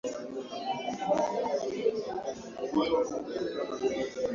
ni kutoka kwa wachambuzi mbalimbali